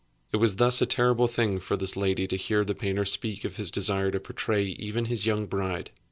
It was thus a terrible thing for this lady to hear the painter speak of his desire to portray even his young bride.